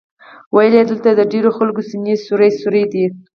ویل یې دلته د ډېرو خلکو سینې سوري سوري دي.